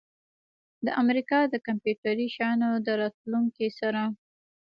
د امریکا د کمپیوټري شیانو د راتلونکي سره